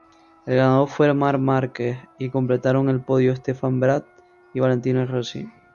El ganador fue Marc Márquez y completaron el podio Stefan Bradl y Valentino Rossi.